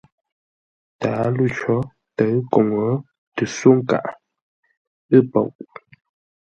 Tǎalo cǒ tə̌ʉ koŋə tə só nkaghʼə ə́ poʼ.